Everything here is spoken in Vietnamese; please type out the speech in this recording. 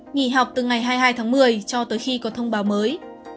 nghỉ học từ ngày hai mươi hai tháng một mươi cho tới khi có thông báo mới